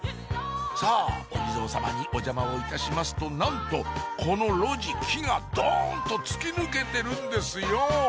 さぁお地蔵様にお邪魔をいたしますとなんとこの路地木がドンと突き抜けてるんですよ